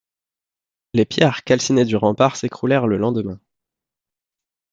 Les pierres calcinées du rempart s'écroulèrent le lendemain.